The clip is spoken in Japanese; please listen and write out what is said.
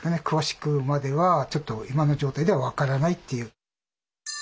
詳しくまではちょっと今の状態では分からないっていう。